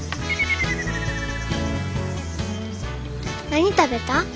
「何食べた？